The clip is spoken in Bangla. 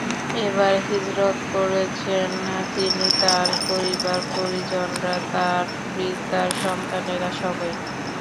এবার হিজরত করেছেন তিনি, তাঁর পরিবার পরিজনরা, তাঁর পিতার সন্তানেরা সবাই।